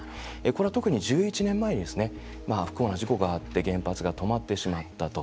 これは特に１１年前に不幸な事故があって原発が止まってしまったと。